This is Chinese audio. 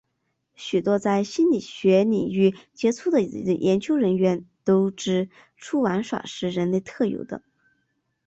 许多在心理学领域杰出的研究人员都指出玩耍是人类特有的。